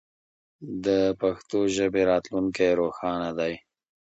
د پښتو ژبې راتلونکی روښانه دی.